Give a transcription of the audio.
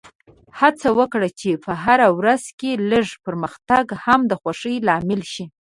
هڅه وکړه چې په هره ورځ کې لږ پرمختګ هم د خوښۍ لامل شي.